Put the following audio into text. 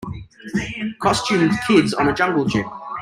Costumed kids on a jungle gym.